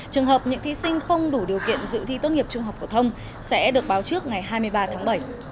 trường hợp những thí sinh không đủ điều kiện dự thi tốt nghiệp trung học phổ thông sẽ được báo trước ngày hai mươi ba tháng bảy